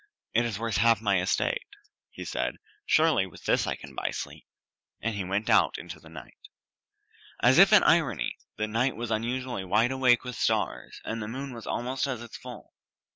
"It is worth half my estate," he said. "Surely with this I can buy sleep." And he went out into the night. As if in irony, the night was unusually wide awake with stars, and the moon was almost at its full.